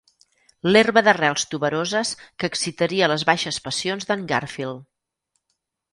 L'herba d'arrels tuberoses que excitaria les baixes passions d'en Garfield.